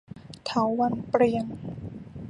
เถาวัลย์เปรียง